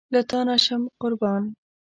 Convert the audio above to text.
له تانه شم قربان